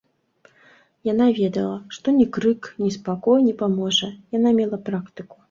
Яна ведала, што ні крык, ні спакой не паможа, яна мела практыку.